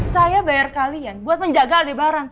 saya bayar kalian buat menjaga aldebaran